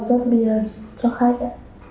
cháu lại rớt bia cho khách